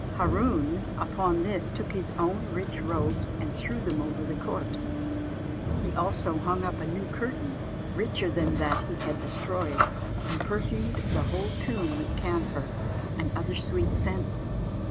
Hâroon upon this took his own rich robes and threw them over the corpse; he also hung up a new curtain richer than that he had destroyed, and perfumed the whole tomb with camphor, and other sweet scents.